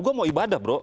gue mau ibadah bro